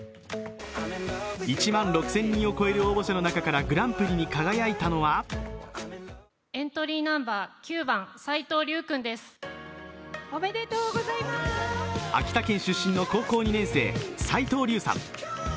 １万６０００人を超える応募者の中からグランプリに輝いたのは秋田県出身の高校２年生、齋藤瑠佑さん。